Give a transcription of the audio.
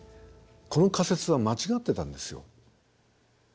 この仮説は間違ってたんですよ。